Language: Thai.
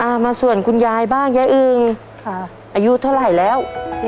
อายุเท่าไหร่แล้ว